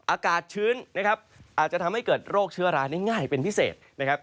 อากาศชื้นนะครับอาจจะทำให้เกิดโรคเชื้อราได้ง่ายเป็นพิเศษนะครับ